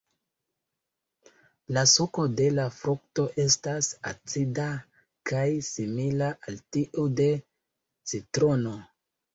La suko de la frukto estas acida kaj simila al tiu de citrono.